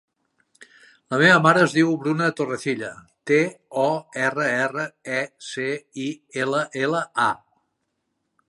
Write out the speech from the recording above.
La meva mare es diu Bruna Torrecilla: te, o, erra, erra, e, ce, i, ela, ela, a.